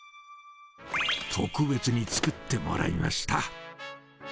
特別に作ってもらいました。